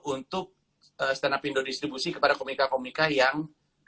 untuk stena pindo distribusi kepada komika komika yang